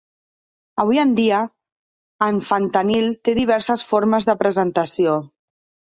Avui en dia, en fentanil té diverses formes de presentació.